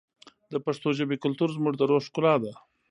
د پښتو ژبې کلتور زموږ د روح ښکلا ده.